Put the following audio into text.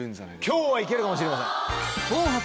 今日はいけるかもしれません。